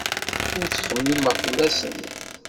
Ur ttxemmimeɣ fell-asent.